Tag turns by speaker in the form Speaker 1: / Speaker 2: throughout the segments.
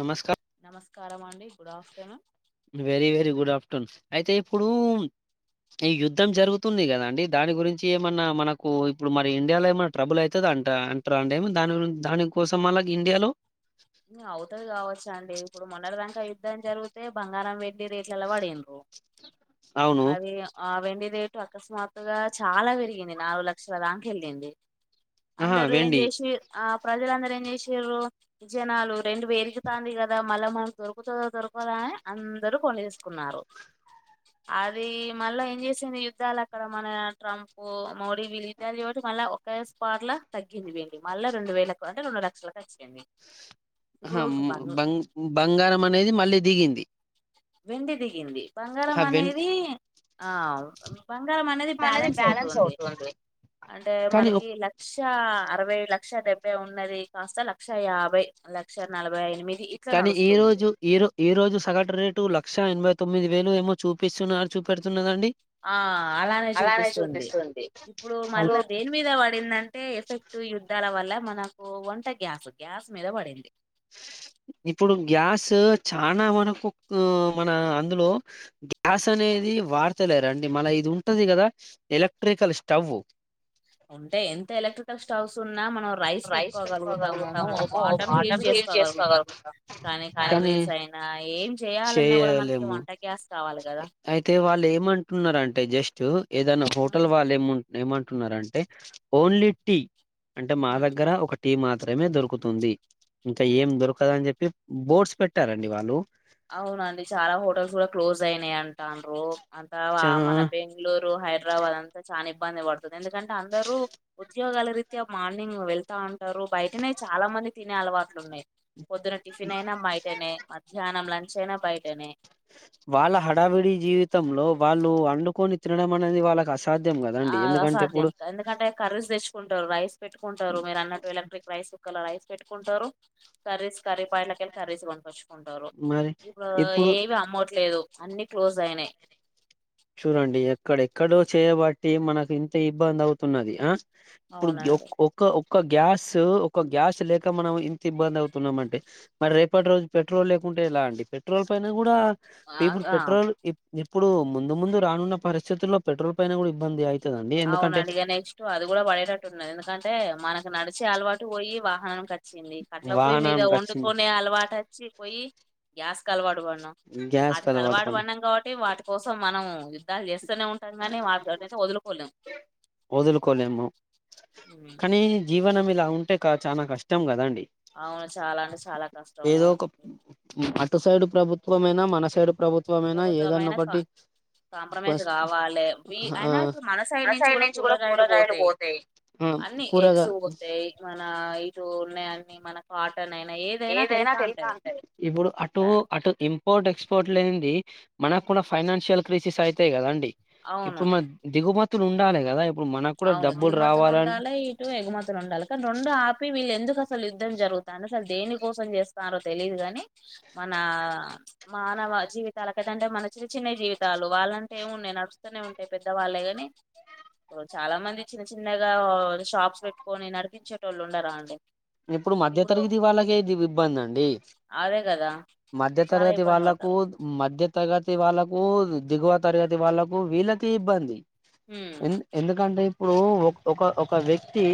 Speaker 1: నమస్కారం
Speaker 2: నమస్కారమండి good afternoon
Speaker 1: very very good afternoon అయితే ఇప్పుడు ఈ యుద్ధం జరుగుతుంది కదండి దాని గురించి ఏమన్నా మనకు ఇప్పుడు మరి ఇండియాలో ఏమన్నా ట్రబుల్ అయితద అంట అంట్ర అండి దాని దాని కోసం మళ్ళ ఇండియాలో
Speaker 2: అవుతది కావచ్చ అండి ఇప్పుడు మొన్నడిదాక యుద్ధం జరిగితే బంగారం రేట్ రెట్లల్ల పడిండ్రు
Speaker 1: అవును
Speaker 2: అవీ ఆ వెండి రేటు అకస్మాత్తు గా చాలా పెరిగింది నాలుగు లక్షల దాంక ఎళ్ళింది
Speaker 1: ఆహా
Speaker 2: అందరు ఏం
Speaker 1: వెండి
Speaker 2: చేసి ఆ ప్రజలందరూ ఏం చేసిర్రు జనాలు రెంటు పెరుకుతాంది కదా మళ్ళా మనకు దొరుకుతదొ దొరకదొ అని అందరు కొనేస్కునారు అది మళ్ళా ఏం చేసింది యుద్ధాలు అక్కడ మన ట్రంప్ మోడీ వీళ్ళ ఇద్దరి తోటి మళ్ళా ఒక స్పాట్లా తగ్గింది వెండి మళ్ళ రెండు వేలకు అంటే రెండు లక్షలకు వచ్చింది
Speaker 1: హమ్మో బంగ్ బంగారం అనేది మళ్ళీ దిగింది
Speaker 2: వెండి దిగింది బంగారం
Speaker 1: ఆ వెండి
Speaker 2: అనేది ఆ బంగారం అనేది బ్యాలెన్స్ అవుతుంది అంటే
Speaker 1: కానీ
Speaker 2: మనకి
Speaker 1: ఒక్-
Speaker 2: లక్ష అరవై ఇరవై లక్ష డెబ్బై ఉన్నది కాస్త లక్ష యాభై లక్ష నలభై ఐ
Speaker 1: కానీ ఈ రోజు ఈరో ఈ రోజు సగటు రేటు లక్ లక్ష ఎనభై తొమ్మిది వేలు ఏమో చూపిస్తున్నది చూపెడుతున్నదండి
Speaker 2: ఆ అలానే చూపిస్తుంది ఇప్పుడు మళ్ళా దేని మీద పడిందంటే ఎఫెక్ట్ యుద్ధాల వల్ల మనకు వంట గ్యాస్ గ్యాస్ మీద పడింది
Speaker 1: ఇప్పుడు గ్యాస్ చానా మనకు మన అందులో గ్యాస్ అనే అది వాడుతలేరండి మన ఇది ఉంటది కదా ఎలక్ట్రికల్ స్టవ్వు
Speaker 2: ఉంటయి ఎంత ఎలక్ట్రికల్ స్టావ్స్ ఉన్ ఉన్నా మనం రైస్ పెట్టుకోగలుగుతాము ము వాటర్ హీట్ చేసుకోగలుగుతా కానీ కర్రీ రీస్ అయినా ఏం చేయాలన్నా కూడా మనకి
Speaker 1: చేయలేము
Speaker 2: వంట గ్యాస్ కావాలి కదా
Speaker 1: టూ ఏదనా హోటల్ వాళ్ళు ఏము ఏమంటున్నంటే ఓన్లీ టీ అంటే మా ద
Speaker 2: ఉమ్,
Speaker 1: ఒక టీ మాత్రమే దొరుకుతుంది ఇంక ఏం దొరకదు అని చెప్పి బోర్డ్స్ పెట్టారండి వాళ్ళు
Speaker 2: అవునా అండి చాలా హోటల్స్ కూడా క్లోజ్ అయినాయి అంటాండ్రు అంతా వా
Speaker 1: చ
Speaker 2: మన బెంగళూరు హైడ్రాబాద్ అంతా చానా ఇబ్బంది పడుతుర్రు ఎందుకంటే అందరూ ఉద్యోగాల రీత్యా మార్నింగ్ వెళ్తా ఉంటారు బయటనే చాలా మంది తినే అలవాట్లున్నాయి పొద్దున టిఫిన్ అయినా బయటనే మధ్యాహ్నం లంచ్ అయినా బయటనే
Speaker 1: వాళ్ళ హడావిడి జీవితంలో వాళ్ళు అండుకొని తినడం అనేది వాళ్ళకి అస్
Speaker 2: ఆ అసాధ్యం క ఎందుకంటే కర్రీస్ తెచ్చుకుంటారు రైస్ పెట్టుకుంటారు మీరు అన్నట్టు ఎలక్ట్రిక్ రైస్ కుక్కర్ ల రైస్ పెట్టుకుంటారు కర్రీస్ కర్రీపాయింట్ల కెళ్ళి కర్రీస్ కొనుక్కొచ్చు
Speaker 1: మరి
Speaker 2: ఇప్పుడు ఏవీ అమ్మట్లేదు అన్నీ క్లోజ్ అయినాయి
Speaker 1: క్కడో చేయబట్టి మనకి ఇంత ఇబ్బంది అవుతున్నది ఆ ఇప్పుడు గి
Speaker 2: అవునండి
Speaker 1: ఒక్క ఒక్క క్క గ్యాస్ ఒక గ్యాసు లేక మనం ఇంతిబ్బందవుతున్నాం అంటే మరి రేపటి రోజు పెట్రోల్ లేపో ఉంటే ఎలా అండి పెట్రోల్ పైన కూడా
Speaker 2: ఆ
Speaker 1: పీపుల్
Speaker 2: ఆ
Speaker 1: పెట్రోల్ ఇప్ ఇప్పుడు ముందు ముందు రానున్న పరిస్థితుల్లో పెట్రోల్ పైన కూడా ఇబ్బంది అయి
Speaker 2: అవునండి ఇక నెక్స్ట్ అది కూడా పడేటట్టున్నది ఎందుకంటే మనకు నడిచే అలవా టు పోయి వాహనం కచ్చింది కట్లపొయ్యి మీద
Speaker 1: వాహనానికి వచ్చింది
Speaker 2: వండుకొనే అలవాటు అచ్చి పొయ్యి గ్యాస్ కలవాటు పడినం
Speaker 1: గ్యాస్ కలవాటు
Speaker 2: అవిటికలవాటు
Speaker 1: పని
Speaker 2: పడినం కాబట్టి వాటి కోసం మనం ద్దాలు చేస్తూనే ఉంటాం గానీ [unintelligible] వదులుకోలేం
Speaker 1: వదులుకోలేము
Speaker 2: ఉమ్.
Speaker 1: కానీ జీవనం ఇలా ఉంటే క చాన కష్టం కదండి
Speaker 2: అవును చాలా అంటే చాలా కష్టము
Speaker 1: ఏదో ఒక అటు సైడ్ ప్రభుత్వమైనా మన సైడు ప్రభుత్వమైనా ఏదన్న
Speaker 2: ప్రభుత్వమైన కా
Speaker 1: ఒకటి
Speaker 2: కాంప్రమైజ్ కావాలే
Speaker 1: ఆ
Speaker 2: అయినా ఇప్పుడు మన సైడ్ నుంచి కూడా కూరగాయలు పోతయ్
Speaker 1: ఆ
Speaker 2: అన్నీ
Speaker 1: కూరగా
Speaker 2: ఎగ్స్ పోతయ్ మ ఆ ఇటు ఉన్నాయన్నీ మనకు అ
Speaker 1: ఏదైనా తెలుసా అంటే ఇప్పుడు అటు
Speaker 2: కా-
Speaker 1: అటు ఇంపోర్ట్ ఎక్స్పోర్ట్ లేంది మనకు కూడా ఫైనాన్షియల్ క్రైసిస్ అయితాయి కదాఅండి
Speaker 2: అవును
Speaker 1: ఇప్పుడు మన దిగుమతులు ఉండాలి కదా ఇప్పుడు మనకు కూడా
Speaker 2: అవును
Speaker 1: డబ్బులు
Speaker 2: దిగుమతులు
Speaker 1: రావాలని
Speaker 2: ఉండాలి ఇటు ఎగుమతులు ఉండాలి కానీ రెండు ఆపి వీళ్ళు ఎందుకు అసలు యుద్ధం జరుగుతాను దేని కోసం చేస్తనారో తెలీదు కాని మన మానవ జీవితాలకయితే అంటే మన చిన్న చిన్నయ్ జీవితాలు వాళ్ళంటే ఏం ఉన్నయి నడుస్తూనే ఉంటాయి పెద్దవాళ్ళయ్ గని చాలా మంది చిన్న చిన్నగా షాప్స్ పెట్టుకొని నడిపించేటోళ్ళు ఉండారాండి
Speaker 1: ఇప్పుడు మధ్య తరగతి వాళ్ళకే ఇది ఇబ్బంది అండి
Speaker 2: అదే కదా
Speaker 1: మధ్య
Speaker 2: చాలా
Speaker 1: తరగతి
Speaker 2: ఇబ్బంది
Speaker 1: వాళ్ళకు
Speaker 2: పడతారు
Speaker 1: మధ్య తరగ గతి వాళ్ళలకు దిగువ తరగతి వాళ్ళలకు వీళ్ళకి ఇబ్బంది
Speaker 2: ఉమ్
Speaker 1: ఎ ఎందుకంటే ఇప్పుడు ఒక ఒక ఒక వ్యక్తి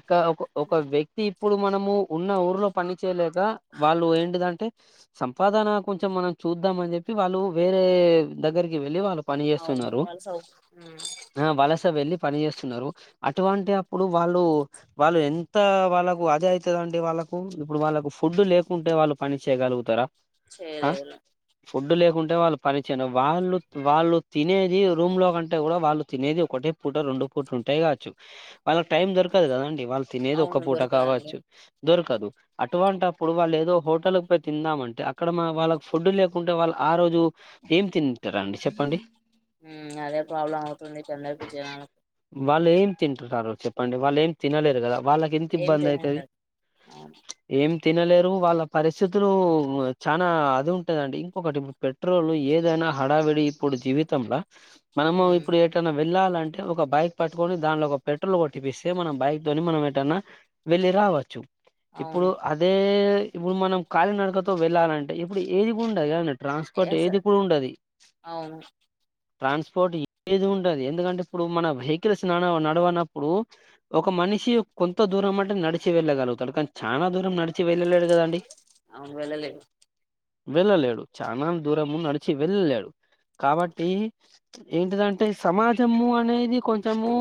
Speaker 1: ఒక ఒక వ్యక్తి ఇప్పుడు మనము ఉన్న ఊర్లో పని చేయలేక వాళ్ళు ఏంటిదంటే సంపాదన కొంచెం మనం చూద్దాం అని చెప్పి వాళ్ళు వేరే దగ్గరికి వెళ్ళి వాళ్ళు పని
Speaker 2: అవును
Speaker 1: చేస్తున్నారు
Speaker 2: వాళ్ళ సౌ ఉమ్
Speaker 1: హ వలస వెళ్ళి పని చేేస్తున్నారు అటువంటి అప్పుడు వాళ్ళు వాళ్ళు ఎంత వాళ్ళకు అదా అయితదఅండి వాళ్ళ ఇప్పుడు వాళ్ళకు ఫుడ్ లేకుంటే వాళ్ళు పని చేయగలుగుతారా ఆ
Speaker 2: చెయలేరు
Speaker 1: ఫుడ్ లేకుంటే వాళ్ళు పని చేను వాళ్ళు వాళ్ళు తినేది రూమ్ లో కంటే కూడా వాళ్ళు తినేది ఒకటొ ఒకటో రెండో పూట ఉంటాయి కావచ్చు వాళ్ళకి టైం దొరకదు కదాఅండి వాళ్ళు తినేది ఒక
Speaker 2: అవును
Speaker 1: పూట
Speaker 2: దొరకదండి
Speaker 1: కావచ్చు దొరకదు అటువంటప్పుడు వాళ్ళు ఏదో హోటల్ పొయ్ తిందామంటే అక్కడ వాళ్ళకి ఫుడ్ లేకుంటే వాళ్ళు ఆ రోజు ఏం తింటరండి చెప్పండి
Speaker 2: అదే ప్రాబ్లం అవుతుంది కొందరుకు జనాలకు
Speaker 1: వాళ్ళు ఏం తింటున్నారొ చెప్పండి వాళ్ళు ఏం తినలేరు కదా వాళ్ళకి ఎంత
Speaker 2: ఏం
Speaker 1: ఇబ్బంది అయితది
Speaker 2: తినలేరు అవును
Speaker 1: ఏం తినలేరు వాళ్ళ పరిస్థి తులు చాలా అది ఉంటాదండి ఇంకొకటి ఇప్పుడు పెట్రోల్ ఏదైనా హడావిడి ఇప్పుడు జీ జీవితంలో మనము
Speaker 2: ఉమ్
Speaker 1: ఇప్పుడు ఏటన్న వెళ్ళాలం ఒక బైక్ పట్టుకొని దానిలో ఒక పెట్రోల్ కొట్టిపిస్తే మనం బైక్ తోని మనం ఏటన్నా వెళ్ళలి రావచ్చు ఇప్పుడు
Speaker 2: అవును
Speaker 1: అదే ఇప్పుడు మనం కళినడకతో వెళ్ళాలంటే ఇప్పుడు ఏది ఉండదు గా అన్నట్ ట్రాన్స్ పోర్ట్
Speaker 2: ఎస్
Speaker 1: ఏది కూడా ఉండది
Speaker 2: అవును
Speaker 1: ట్రాన్స్ పోర్ట్ ఏది ఉంటది ఎందుకంటే ఇప్పుడు మన వెహికల్స్ నడ నడవనప్పుడు ఒక మని మనిషి కొంత దూరం అంటే నడిచి వెళ్ళగలుగుతాడు కానీ చానా దూరం నడిచి వెళ్ళలేడు కదండి
Speaker 2: అవును వెళ్ళలేదు
Speaker 1: వెళ్ళలేడు చానా దూరము ముందు నడిచి వెళ్ళలేడు కాబట్టీ ఏంటిదంటే సమాజము అ నేది కొంచెమూ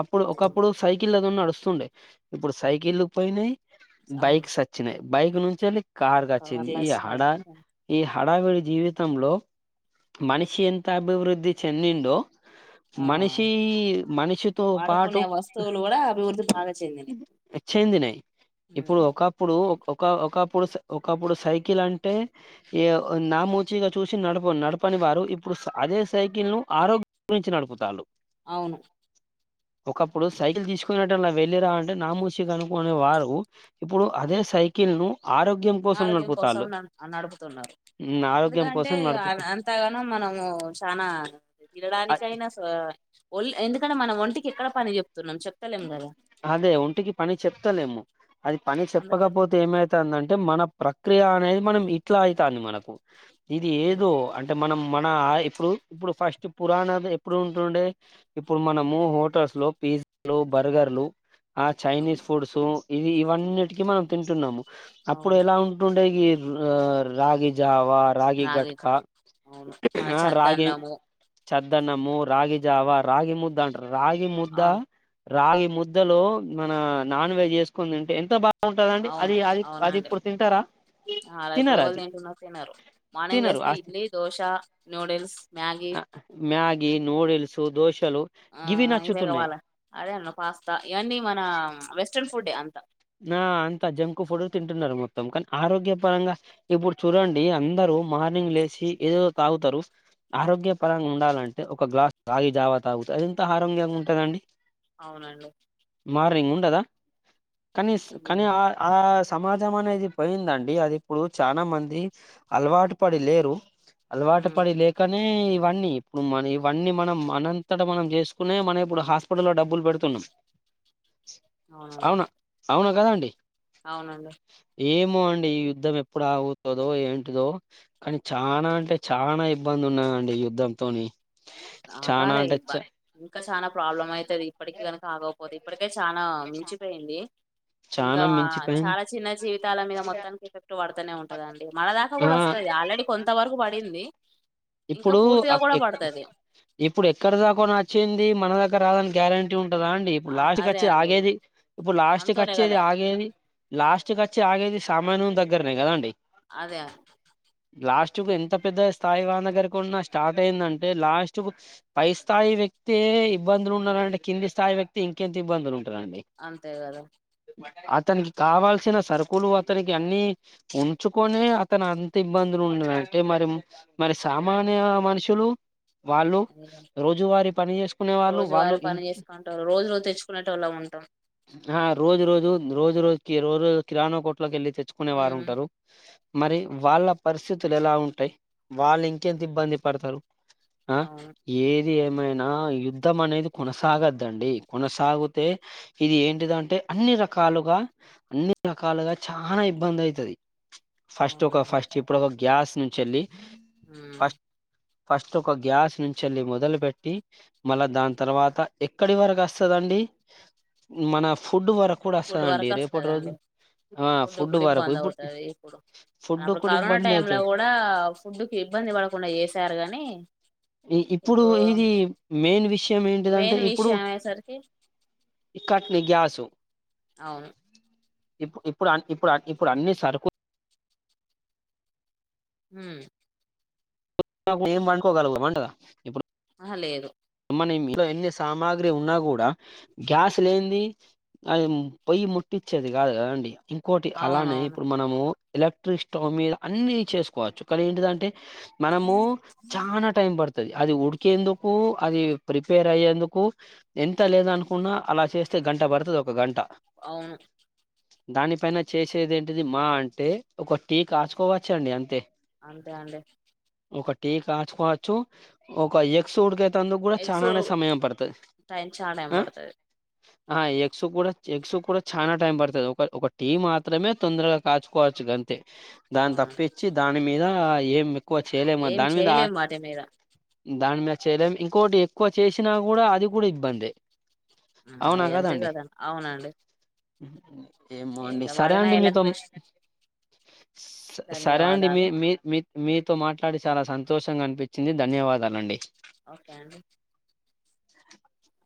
Speaker 1: అప్పుడు ఒకప్పుడు సైకిల్ తొ నడుస్తుండే ఇప్పుడు సైకిళ్ళు పోయినాయి
Speaker 2: అవును
Speaker 1: బైక్సొ చ్చినాయి బైక్ నుంచి ఎళి కార్ కొచ్చింది
Speaker 2: కవర్లు
Speaker 1: ఈ హేడ
Speaker 2: వచ్చినాయి
Speaker 1: ఈ హడావిడి జీవితంలో మనిషి ఎంత అభివృద్ధి చెందిండో
Speaker 2: ఆ
Speaker 1: మనీషీ మనిషితో పాటు
Speaker 2: వాడుకునే వస్తువులు కూడా అభివృద్ధి బాగా చెందినయి
Speaker 1: వచ్చ్ నయి ఇప్పుడు
Speaker 2: ఉమ్
Speaker 1: ఒకప్పుడు ఒక ఒక ఒకప్పుడు సైకిల్ అంటే నామోచిగా చూసి నడప నడపని వారు ఇప్పుడు అదే సైకిల్ ను ఆరోగ్యం గురించి నడుపుతాలు
Speaker 2: అవును
Speaker 1: ఒకప్పుడు సైకిల్ తీసుకున్నడు అలా వెళ్ళి రా అంటే నామూషిగా అనుకునే వారు ఇప్పుడు అదే
Speaker 2: అవును
Speaker 1: సైకిల్ ను ఆరోగ్యం కోసం
Speaker 2: ఆరోగ్యం కోసం
Speaker 1: నడుపుతాళ్ళు
Speaker 2: నడుపుతున్నారు
Speaker 1: ఆరోగ్యం
Speaker 2: ఎందుకంటే
Speaker 1: కోసం నడుపు
Speaker 2: అంతగానొ మనము చానా తినడానికైనా ఓల్ ఎందుకంటే మన ఒంటికి ఎక్కడ పని చెప్
Speaker 1: అదే ఒంటికి పని చెప్తలేమో అది పని
Speaker 2: అందుకని
Speaker 1: చెప్పకపోతే ఏమైతుందంటే మన ప్రక్రియ అనేది మనం ఇట్లా అవుతాంది మనకు ఇది
Speaker 2: ఉమ్.
Speaker 1: ఏదో అంటే మనం మన ఇప్పుడు ఇప్పుడు ఫస్ట్ పురాణ ఎప్పుడు ఉంటుండే ఇప్పుడు మనము హోటల్స్ లో పి లు బర్గర్లు ఆ చైనీస్
Speaker 2: అవును
Speaker 1: ఫుడ్స్ ఇవి ఇవన్నిటికి మనం తింటున్నాము అప్పుడు
Speaker 2: అవును
Speaker 1: ఎలా ఉంటుండే గి ర్రా రాగిజావ్ అవా రాగి ఘట్కా
Speaker 2: నాగేశం అవును మన
Speaker 1: ఆ రాగి
Speaker 2: చద్దన్నము
Speaker 1: చద్దనము రాగి జావ రాగి ముద్ద అంట రాగి ముద్ద
Speaker 2: ఆ
Speaker 1: రాగి ముద్దలో మన నాన్ వెజ్ వేసుకుందింటే ఎంత బాగా ఉంటదండి అది
Speaker 2: అవును
Speaker 1: అది అది
Speaker 2: అవునండి
Speaker 1: ఇప్పుడు తింటరా
Speaker 2: అలా ఇప్పుడు ఎవరు ఏంటున్న తిినన్నారు మార్నింగ్ లే
Speaker 1: తినరు
Speaker 2: వేస్తే
Speaker 1: ఆ
Speaker 2: ఇల్లీ dosa noodles Maggi
Speaker 1: Maggi noodles దోశలు
Speaker 2: ఆ
Speaker 1: గివి
Speaker 2: ఇవే
Speaker 1: నచ్చుతున్నాయి్
Speaker 2: కావాలా అదే అన్నా పాస్తా ఇవన్నీ మన వెస్ట్రన్ ఫుడే అంత
Speaker 1: ఆ అంతా జంకు ఫుడు తింటున్నారు మొత్తం కానీ ఆరోగ్యపరంగా ఇప్పుడు చూడండి అందరు మార్నింగ్ లేచ ఏదో తాగుతారు ఆరోగ్య పరంగా ఉండాలంటే ఒక గ్లాస్ రాగి జావాత అ అది ఎంత ఆరోగ్యంగా ఉంటుదండి
Speaker 2: అవునండి
Speaker 1: కదా కనీస్ కని
Speaker 2: ఉమ్,
Speaker 1: ఆ ఆ ఆస్ సమాజం అనేది పోయిందండి అది ఇప్పుడు చాలా మంది అలవాటు పడి లేరు అలవాటు
Speaker 2: ఉమ్,
Speaker 1: పడి లేకనే ఇవన్నీ ఇప్పుడు మన ఇవన్నీ మనం అనంతట మనం చేసుకునే మనం ఇప్పుడు హాస్పిటల్లో లో డబ్బులు పెడుతున్నాం
Speaker 2: అవునండి
Speaker 1: అవునా అవునా కదా అండి
Speaker 2: అవునండి
Speaker 1: ఏమో అండి ఈ యుద్ధం ఎప్పుడు ఆగుతుందో ఏంటిదో కానీ చానా అంటే చాలనా ఇబ్బంది న్నా అండి యుద్ధంతోని చానా
Speaker 2: ఆగాలే
Speaker 1: అంటే చ
Speaker 2: ఇంకా చాలా ప్రాబ్లం అయితుది ఇప్పటికిీ కనుక ఆగపోతే అకా చాలా మించిపోయింది ఇంకా
Speaker 1: చానా మించిపోయింది
Speaker 2: చాలా చిన్న జీవితాల మీద మొత్తానికి ఎఫెక్ట్ పడుతనే ఉంటదండి మనదాకా
Speaker 1: ఆ
Speaker 2: కూడా వస్తుది ఆల్రెడీ కొంత వరకు పడింది ఇంకా
Speaker 1: ఇప్పుడు
Speaker 2: పూర్తిగా కూడా పడుతది
Speaker 1: ఇప్పుడు ఎక్కడ దాకా నచ్చింది మన దగ్గర రాదనికి గ్యారెంటీ ఉంటు ఉంటదా అండి ఇప్పుడు
Speaker 2: ఆ
Speaker 1: లాస్ట్కి
Speaker 2: అదే
Speaker 1: వచ్చేది
Speaker 2: అండి
Speaker 1: ఆగేది ఇప్పుడు లాస్ట్కి
Speaker 2: మనతోనే
Speaker 1: వచ్చేది
Speaker 2: కదా
Speaker 1: ఆగేది లాస్ట్ క వచ్చి ఆగేది సామానూన్ దగ్గరనే కదండి
Speaker 2: అదే
Speaker 1: లాస్ట్ కు ఎంత పెద్ద స్థాయి కాన దగ్గరకు స్టార్ట్ అయిందంటే లాస్ట్ పై స్థాయి వ్యక్తి ఇబ్బందులు ఉన్నంటే కింది స్థాయి వ్యక్తి ఇంకెంత ఇబ్బంది
Speaker 2: అంతే కదా
Speaker 1: అతనికి కావల్సిన సరుకులు అతనికి అన్నిీ ఉంచుకొనే అతను అంత ఇబ్బందులు ఉండ అంటే మరి మరి సామాన్య మనుషులు వాళ్ళు
Speaker 2: అదే కదా.
Speaker 1: రోజువారి పని చేేసుకునే వాళ్ళు వాళ్ళు
Speaker 2: రోజువారి
Speaker 1: ఇ
Speaker 2: ఉంట
Speaker 1: ఆ రోజు రోజు రోజు రోజు క రోజు రజు కిరాణా కోట్లోకి వెళ్ళి తెచ్చుకునే వారు
Speaker 2: ఉమ్
Speaker 1: ఉంటారు మరి వాళ్ళ పరిస్థితులు ఎలా ఉంటాయి వాళ్ళు ఇంకెంత ఇబ్బంది పడతరు ఆ
Speaker 2: అవును
Speaker 1: ఏ ఇది ఏమైనా యుద్ధం అనేది కొనసాగద్దండి కొనసాగితే ఇది ఏంటిద అంటే అన్ని రకాలుగా అన్ని రకాలుగా చాలా ఇబ్బంది అయితది ఫస్ట్ ఒక
Speaker 2: అవునండి
Speaker 1: ఫస్ట్ ఇప్పుడు ఒక గ్యాస్ నుంచళ్ళి
Speaker 2: ఆ
Speaker 1: ఫస్ట్ ఒక గ్యాస్ నుంచి వెళ్ళి మొదలుపెట్టి మళ్ళా దాని తర్వాత ఎక్కడి వరకు వస్తుదండి మన ఫుడ్ వరకు కూడా
Speaker 2: ఫుడ్
Speaker 1: వస్తదండి
Speaker 2: వరకు
Speaker 1: రేపటి రోజు
Speaker 2: వస్తుందండి
Speaker 1: ఆ
Speaker 2: ఫుడ్ కూడా
Speaker 1: వరకు
Speaker 2: ఇబ్బంద
Speaker 1: ఇప్పుడు
Speaker 2: అవుతుది ఇప్పుడు
Speaker 1: ఫుడ్
Speaker 2: అప్పుడు
Speaker 1: కూడా
Speaker 2: కరోనా
Speaker 1: ఇబ్బంది
Speaker 2: టైమ్ లో
Speaker 1: అయితది
Speaker 2: కూడా ఫుడ్కి ఇబ్బంది పడకుండా చేసారు కానీ
Speaker 1: ఇప్పుడు ఇది మెయిన్ విషయం ఏంటిదంటే
Speaker 2: మెయిన్
Speaker 1: ఇప్పుడు
Speaker 2: విషయం అయ్యేసరికి
Speaker 1: ఇక్కట్ని గ్యాసు
Speaker 2: అవును
Speaker 1: ఇప్పు ఇప్పుడు ఇప్పుడు ఇప్పుడు అన్ని సరుకు
Speaker 2: ఉ
Speaker 1: ఏం వాడుకోగల అంటదా ఇప్పుడు
Speaker 2: ఆ లేదు
Speaker 1: మన ఎన్ని సామాగ్రి ఉన్నా కూడా గ్యాస్ లేనిది అ పొయ్యి ముత్తిచ్చేది కాదు కదండి ఇంకోటి
Speaker 2: అవును
Speaker 1: అలానే
Speaker 2: అవును
Speaker 1: ఇప్పుడు మనము ఎలక్ట్రిక్ స్టవ్ మీద అన్ని చేసుకోవచ్చు. కానీ ఏంటిదంటే మనము చానా టైం పడుతది అది ఉడికేందుకు. అది ప్రిపేర్ అయ్యేందుకు ఎంత లేదనుకున్నా అలా చేస్తే గంట పడుతది. ఒక గంట
Speaker 2: అవును.
Speaker 1: దానిపైన చేసేది ఏంటిది. మా అంటే ఒక టీ కాచుకోవచ్చండి అంతే.
Speaker 2: అంతే అండి.
Speaker 1: ఒక టీ కాచుకోవచ్చు ఒక ఎక్స్ ఉడికే అందుకు కూడా
Speaker 2: ఎగ్స్
Speaker 1: చాలనే సమయం పడుతది.
Speaker 2: టైం చాలా టైం పడుతది
Speaker 1: ఆ ఎక్స్ కూడా ఎగ్స్ కూడా చాలా టైం పడుతది. ఒక ఒక టీం మాత్రమే తొందరగా కాచుకోవచ్చు గంతే దాన్ని
Speaker 2: అవునండి
Speaker 1: తప్పించి దాని మీద ఏం ఎక్కువ చేయలేము.
Speaker 2: ఏం
Speaker 1: దాని మీద
Speaker 2: చేయలేం వాటి మీద
Speaker 1: దాని మీద చేయలేం. ఇంకోకటి ఎక్కువ చేసినా కూడా అది కూడా ఇబ్బందె.
Speaker 2: అయి అంతే కదా. అవునండి.
Speaker 1: ఏమో అండి.
Speaker 2: ఎంత
Speaker 1: సరే
Speaker 2: వాడినా
Speaker 1: అండి మీతో
Speaker 2: ఎలక్ట్రిష్
Speaker 1: సరెండీ. మీ
Speaker 2: ధన్యవాదాలు
Speaker 1: మీ మీతో మాట్లాడి చాలా సంతోషంగా అనిపించింది. ధన్యవాదాలండి.
Speaker 2: క్యాండి.
Speaker 1: [inaudible]